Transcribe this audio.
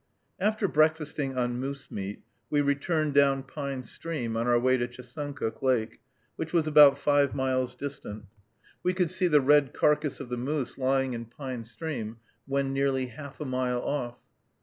After breakfasting on moose meat, we returned down Pine Stream on our way to Chesuncook Lake, which was about five miles distant. We could see the red carcass of the moose lying in Pine Stream when nearly half a mile off.